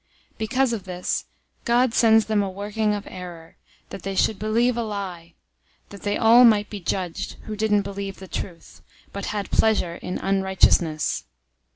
002:011 Because of this, God sends them a working of error, that they should believe a lie; 002:012 that they all might be judged who didn't believe the truth, but had pleasure in unrighteousness.